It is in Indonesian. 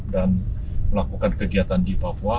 dan melakukan kegiatan di papua